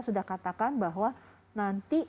sudah katakan bahwa nanti